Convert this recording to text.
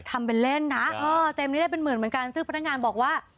อ๋อเต็มนี้ได้เป็นหมื่นเหมือนกันซึ่งพนักงานบอกว่า